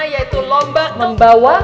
yaitu lomba membawa